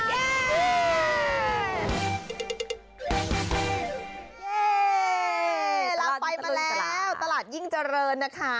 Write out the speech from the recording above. เราไปมาแล้วตลาดยิ่งเจริญนะคะ